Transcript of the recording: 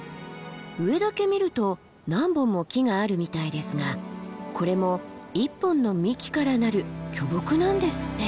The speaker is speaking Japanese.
上だけ見ると何本も木があるみたいですがこれも１本の幹からなる巨木なんですって。